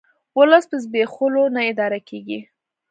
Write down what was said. ولس په زبېښولو نه اداره کیږي